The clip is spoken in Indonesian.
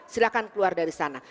silahkan keluar dari sana